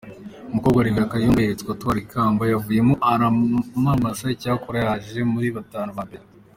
Umukobwa Rev Kayumba yeretswe atwara ikamba, yavuyemo amaramasa, icyakora yaje muri batanu ba mbere.